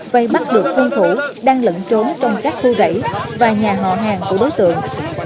các được phân thủ đang lẫn trốn trong các khu rễ và nhà hò hàng của đối tượng